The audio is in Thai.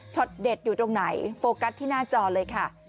เด็ดอยู่ตรงไหนโฟกัสที่หน้าจอเลยค่ะ